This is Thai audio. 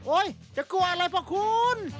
โอ๊ยจะกลัวอะไรพระคุณ